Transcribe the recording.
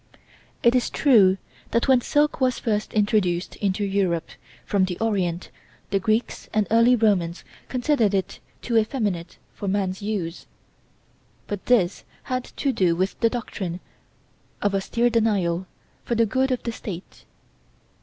It is true that when silk was first introduced into Europe, from the Orient, the Greeks and early Romans considered it too effeminate for man's use, but this had to do with the doctrine of austere denial for the good of the state.